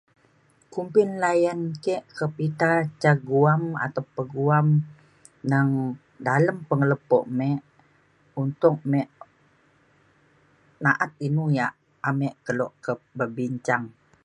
Kumbin layan kek kak pita , ca guam atau peguam neng dalem pengelepok mek untuk mek na'at inou yak ame kelo berbincang